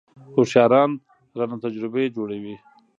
هوښیاران رانه تجربې جوړوي .